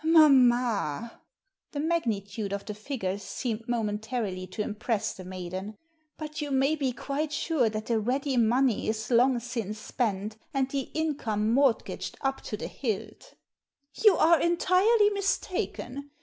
" Mamma !" The magnitude of the figures seemed momentarily to impress the maiden. " But you may be quite sure that the ready money is long since spent, and the income mortgaged up to the hilt" "You are entirely mistaken.